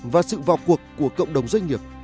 và sự vào cuộc của cộng đồng doanh nghiệp